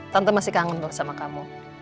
tante masih kangen tuh sama kamu